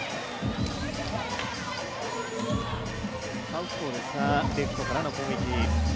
サウスポーですが、レフトからの攻撃。